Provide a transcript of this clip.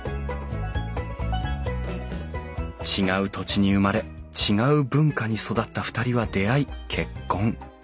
違う土地に生まれ違う文化に育った２人は出会い結婚。